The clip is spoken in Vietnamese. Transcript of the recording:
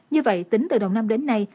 như vậy tính từ đầu năm đến nay